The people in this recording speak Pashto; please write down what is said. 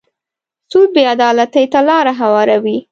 سود بې عدالتۍ ته لاره هواروي.